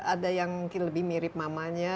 ada yang mungkin lebih mirip mamanya